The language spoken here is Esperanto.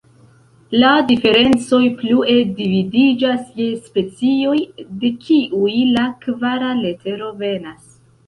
La Diferencoj plue dividiĝas je "Specioj", de kiuj la kvara letero venas.